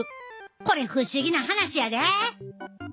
これ不思議な話やで。